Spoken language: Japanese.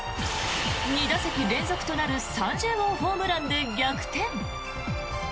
２打席連続となる３０号ホームランで逆転。